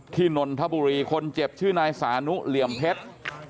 นนทบุรีคนเจ็บชื่อนายสานุเหลี่ยมเพชร